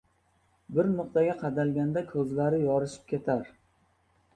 bir nuqtaga qadalgan ko‘zlari yorishib ketar.